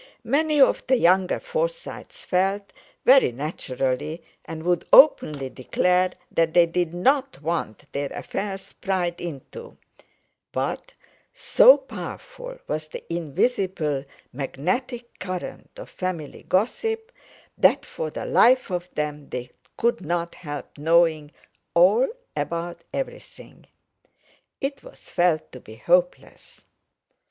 Many of the younger Forsytes felt, very naturally, and would openly declare, that they did not want their affairs pried into; but so powerful was the invisible, magnetic current of family gossip, that for the life of them they could not help knowing all about everything. It was felt to be hopeless.